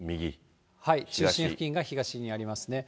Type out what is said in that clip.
中心付近が東にありますね。